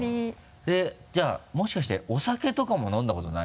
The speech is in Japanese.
えっじゃあもしかしてお酒とかも飲んだことない？